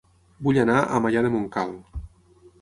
Vull anar a Maià de Montcal